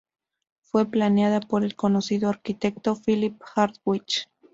Fue planeada por el conocido arquitecto Philip Hardwick.